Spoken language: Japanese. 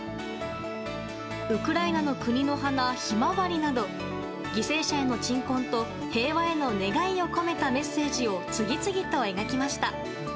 ウクライナの国の花ヒマワリなど犠牲者への鎮魂と平和への願いを込めたメッセージを次々と描きました。